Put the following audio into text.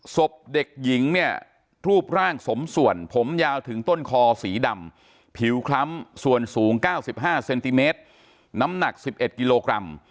ศพเด็กหญิงเนี่ยรูปร่างสมส่วนผมยาวถึงต้นคอสีดำผิวคล้ำส่วนสูง๙๕เซนติเมตรน้ำหนัก๑๑กิโลกรัม